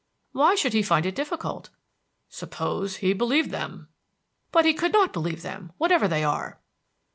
"Why should he find it difficult?" "Suppose he believed them." "But he could not believe them, whatever they are."